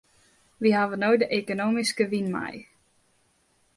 Wy hawwe no de ekonomyske wyn mei.